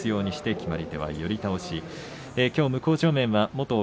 決まり手は寄り倒しでした。